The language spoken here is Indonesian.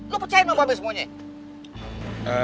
lu percayain dong babi semuanya